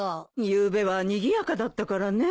ゆうべはにぎやかだったからね。